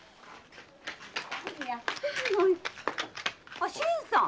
あ新さん。